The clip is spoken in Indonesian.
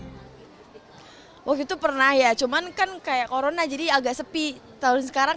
dengan bersuap foto waktu itu pernah ya cuman kan kayak korona jadi agak sepi tahun sekarang